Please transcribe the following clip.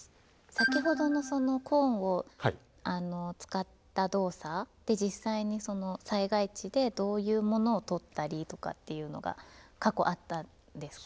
先ほどのコーンを使った動作って実際に災害地でどういうものを取ったりとかっていうのが過去あったんですか？